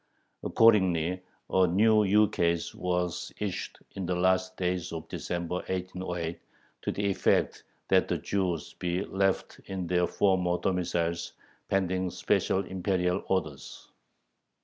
Accordingly a new ukase was issued in the last days of December, 1808, to the effect that the Jews be left in their former domiciles, pending special Imperial orders.